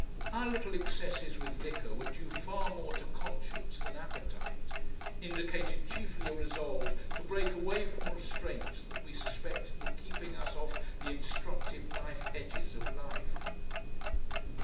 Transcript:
Our little excesses with liquor were due far more to conscience than appetite, indicated chiefly a resolve to break away from restraints that we suspected were keeping us off the instructive knife edges of life.